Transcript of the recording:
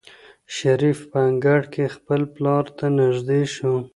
شریف په انګړ کې خپل پلار ته نږدې شو.